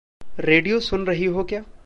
Radio सुन रही हो क्या?